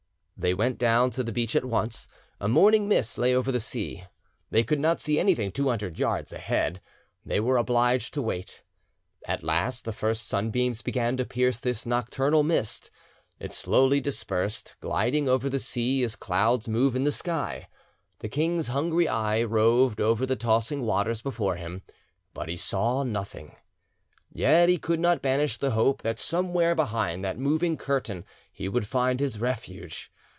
They went down to the beach at once. A morning mist lay over the sea. They could not see anything two hundred yards ahead. They were obliged to wait. At last the first sunbeams began to pierce this nocturnal mist. It slowly dispersed, gliding over the sea as clouds move in the sky. The king's hungry eye roved over the tossing waters before him, but he saw nothing, yet he could not banish the hope that somewhere behind that moving curtain he would find his refuge.